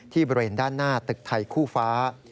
บริเวณด้านหน้าตึกไทยคู่ฟ้า